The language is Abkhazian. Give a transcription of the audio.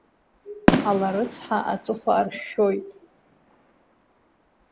Ала рыцҳа, аҵыхәа аршәшәауеит…